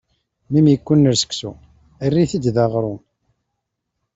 Mi m-ikkunner seksu, err-it-d aɣṛum.